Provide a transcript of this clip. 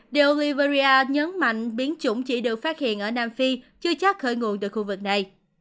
điều liberia nhấn mạnh biến chủng chỉ được phát hiện ở nam phi chưa chắc khởi nguồn từ khu vực này